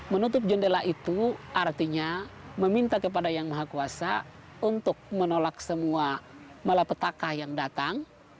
menutup jendela itu artinya meminta kepada yang maha kuasa untuk menolak semua malapetakah yang datang